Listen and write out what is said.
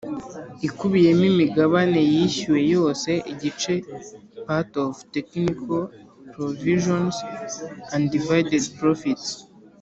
ikubiyemo imigabane yishyuwe yose igice part of technical provisions undivided profits